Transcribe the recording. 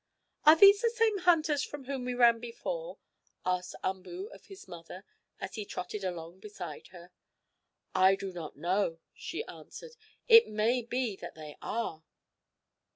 "Are these the same hunters from whom we ran before?" asked Umboo of his mother, as he trotted along beside her. "I do not know," she answered. "It may be that they are."